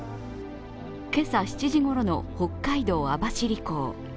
今朝７時ごろの北海道網走港。